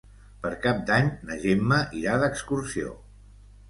Per Cap d'Any na Gemma irà d'excursió.